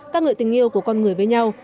các người tình yêu của con người với nhau